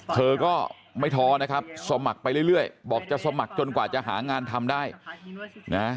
เธอก็ไม่ท้อนะครับสมัครไปเรื่อยบอกจะสมัครจนกว่าจะหางานทำได้นะ